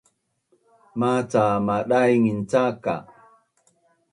Maca madaingin cak ka